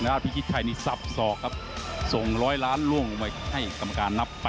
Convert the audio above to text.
นาฬิกิตไทยนี่ซับซอกครับส่งร้อยล้านล่วงมาให้กรรมการนับแปดครับ